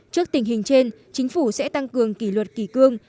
trước tình hình trên chính phủ sẽ tăng cường kỷ luật kỷ cương